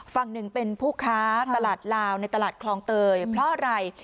ฝั่งหนึ่งเป็นผู้ค้าตลาดลาวในตลาดคลองเตยเพราะอะไร